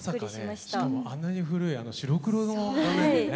しかもあんなに古い白黒の画面でね。